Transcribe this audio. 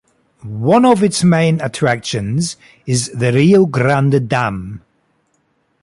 One of its main attractions is the Riogrande Dam.